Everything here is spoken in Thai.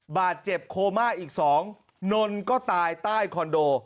บาดเจ็บโคม่าอีก๒นนก็ตายใต้คอนโด